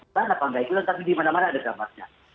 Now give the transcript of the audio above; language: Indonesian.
tapi di mana mana ada gambarnya